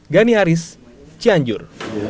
gani haris cianjur